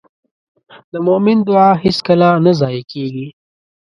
د مؤمن دعا هېڅکله نه ضایع کېږي.